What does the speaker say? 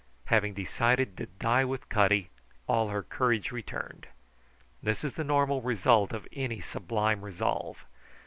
Having decided to die with Cutty, all her courage returned. This is the normal result of any sublime resolve.